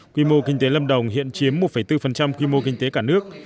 quy mô kinh tế lâm đồng hiện chiếm một bốn quy mô kinh tế cả nước